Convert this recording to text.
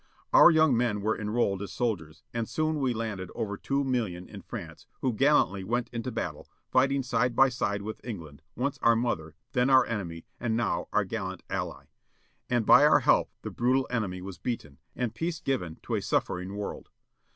Our young men were enrolled as soldiers â and soon we landed over two million in France, who gallantly went into battle, fighting side by side with England, once our mother, then our enemy, and now our gallant Ally. And by our help the brutal enemy was beaten. And peace given to a suffering world.